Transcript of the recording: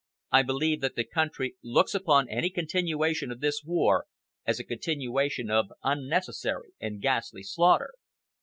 "I believe that the country looks upon any continuation of this war as a continuation of unnecessary and ghastly slaughter.